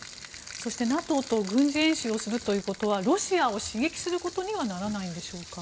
ＮＡＴＯと軍事演習をするということはロシアを刺激することにはならないんでしょうか。